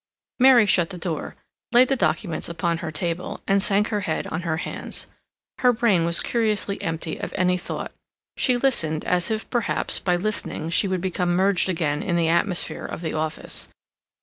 Mary shut the door, laid the documents upon her table, and sank her head on her hands. Her brain was curiously empty of any thought. She listened, as if, perhaps, by listening she would become merged again in the atmosphere of the office.